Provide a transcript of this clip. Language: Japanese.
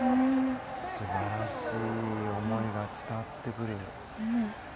素晴らしい思いが伝わってくる。